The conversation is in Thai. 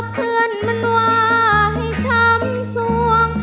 เพื่อนมันว่าให้ช้ำสวง